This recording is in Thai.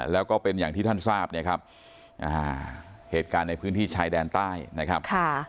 แล้วก็เป็นอย่างที่ท่านทราบเนี่ยครับเหตุการณ์ในพื้นที่ชายแดนใต้นะครับ